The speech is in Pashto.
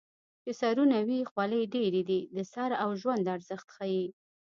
چې سرونه وي خولۍ ډېرې دي د سر او ژوند ارزښت ښيي